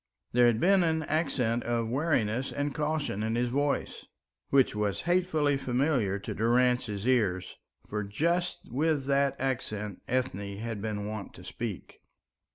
There had been an accent of wariness and caution in his voice, which was hatefully familiar to Durrance's ears, for just with that accent Ethne had been wont to speak.